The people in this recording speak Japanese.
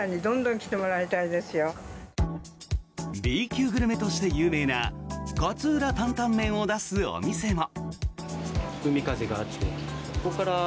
Ｂ級グルメとして有名な勝浦タンタンメンを出すお店も。